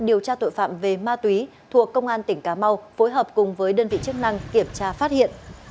điều tra tội phạm về ma túy thuộc công an tỉnh cà mau phối hợp cùng với đơn vị chức năng kiểm tra phát hiện